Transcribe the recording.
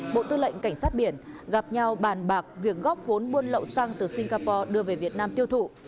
bộ tư lệnh cảnh sát biển gặp nhau bàn bạc việc góp vốn buôn lậu xăng từ singapore đưa về việt nam tiêu thụ